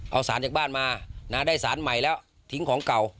เอาสารจากบ้านมาได้สารใหม่แล้วทิ้งของเก่า